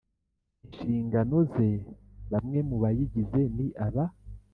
inshingano ze Bamwe mu bayigize ni aba